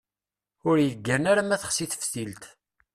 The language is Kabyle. Ur yeggan ara ma texsi teftilt.